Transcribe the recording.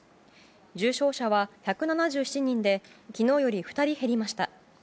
重症者は１７７人で昨日より２人減りました。